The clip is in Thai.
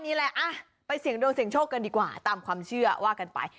นี่แหละไปเสี่ยงดวงเสียงโชคกันดีกว่าตามความเชื่อว่ากันไป